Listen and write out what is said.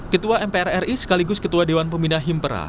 ketua mpr ri sekaligus ketua dewan pembina himpera